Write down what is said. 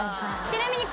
ちなみに。